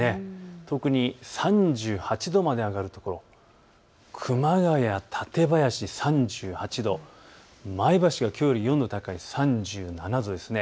特に３８度まで上がる所、熊谷、館林で３８度、前橋がきょうより４度高い３７度です。